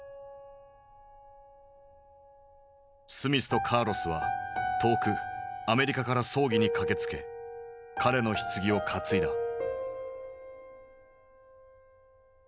スミスとカーロスは遠くアメリカから葬儀に駆けつけ彼のひつぎを担いだ。